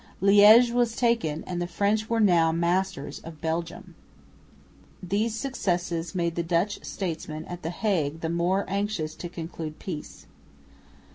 Liège was taken, and the French were now masters of Belgium. These successes made the Dutch statesmen at the Hague the more anxious to conclude peace.